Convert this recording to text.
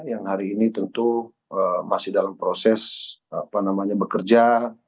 yang hari ini tentu masih dalam proses bekerja